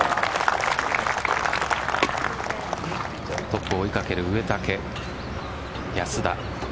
トップを追いかける植竹安田。